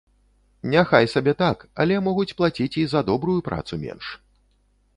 Няхай сабе так, але могуць плаціць і за добрую працу менш.